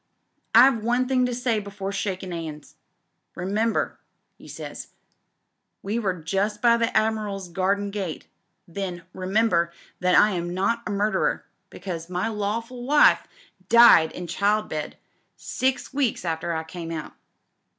'I've one thing to say before sliakin' 'ands. Remem ber,' 'e says — we were just by the Admiral's garden gate then — ^'remember, that I am not a murderer, because my lawful wife died in childbed six weeks after I came out.